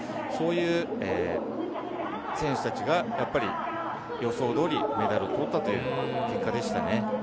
そういう選手たちが、やっぱり予想通りメダルを取ったという結果でした。